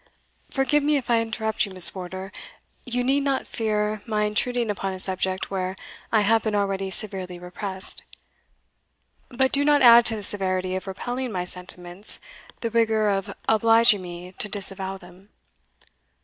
"Forgive me if I interrupt you, Miss Wardour; you need not fear my intruding upon a subject where I have been already severely repressed; but do not add to the severity of repelling my sentiments the rigour of obliging me to disavow them."